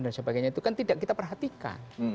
dan sebagainya itu kan tidak kita perhatikan